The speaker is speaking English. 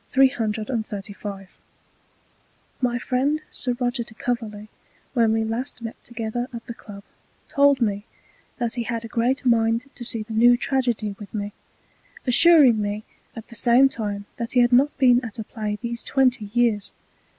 335 My friend Sir Roger de Coverley, when we last met together at the Club, told me, that he had a great mind to see the new Tragedy with me, assuring me at the same time that he had not been at a Play these twenty Years.